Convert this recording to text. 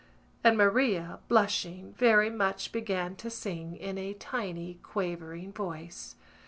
_ and Maria, blushing very much began to sing in a tiny quavering voice.